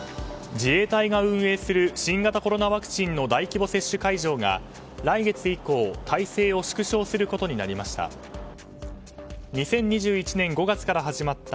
自衛隊が運営する新型コロナワクチンの大規模接種会場が、来月以降体制を縮小することになりました。